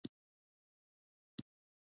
مایټوسیس څه ډول پروسه ده؟